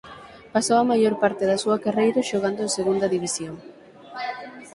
Pasou a maior parte da súa carreira xogando en Segunda División.